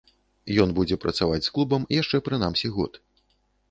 Ён будзе працаваць з клубам яшчэ прынамсі год.